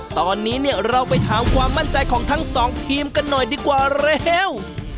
ตอนนี้เนี่ยเราไปถามความมั่นใจของทั้งสองทีมกันหน่อยดีกว่าเร็ว